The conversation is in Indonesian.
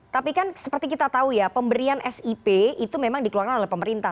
tapi kan seperti kita tahu ya pemberian sip itu memang dikeluarkan oleh pemerintah